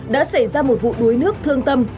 đã xảy ra một vụ đuối nước thương tâm